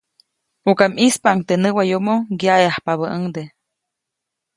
ʼUka ʼmispaʼuŋ teʼ näwayomo, ŋyaʼeʼajpabäʼuŋde.